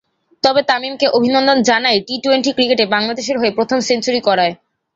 তবে তামিমকে অভিনন্দন জানাই টি-টোয়েন্টি ক্রিকেটে বাংলাদেশের হয়ে প্রথম সেঞ্চুরি করায়।